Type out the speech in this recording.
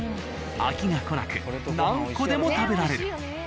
飽きがこなく何個でも食べられる。